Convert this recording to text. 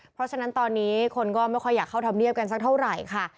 เพราะฉะนั้นตอนนี้คนก็ไม่ค่อยอยากเข้าธรรมเนียบกันสักเท่าไหร่ค่ะ